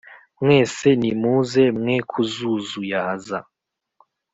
Mwese nimuze mwe kuzuzuyaza